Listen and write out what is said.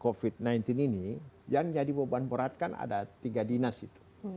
covid sembilan belas ini yang jadi beban berat kan ada tiga dinas itu